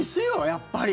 やっぱり。